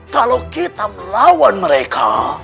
kalau kita melawan mereka